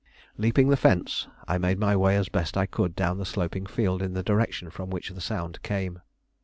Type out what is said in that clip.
Leaping the fence, I made my way as best I could down the sloping field in the direction from which the sound came.